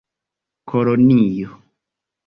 kolonio